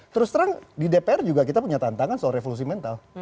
terus terang di dpr juga kita punya tantangan soal revolusi mental